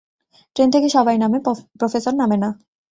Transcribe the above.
Train থেকে সবাই নামে, প্রফেসর নামেনা।